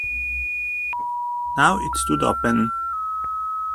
Now it stood open!